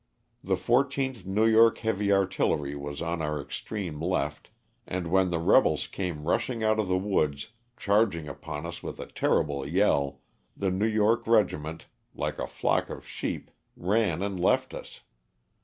The 14th New York Heavy Artillery was on our extreme left, and when the rebels came rushing out of the woods, charging upon us with a terrible yell, the New York regiment, like a flock of sheep, ran and left us.